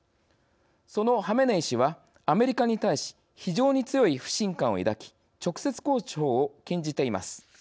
そのハメネイ師はアメリカに対し非常に強い不信感を抱き直接交渉を禁じています。